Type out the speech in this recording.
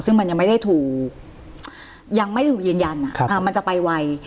ซึ่งมันยังไม่ได้ถูกยืนยันมันจะไปไว